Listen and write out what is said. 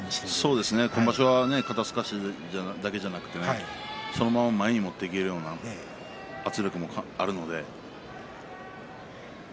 今場所は肩すかしだけでなくてそのまま前に持っていけるような圧力もあるので。